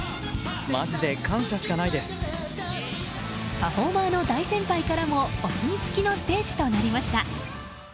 パフォーマーの大先輩からもお墨付きのステージとなりました。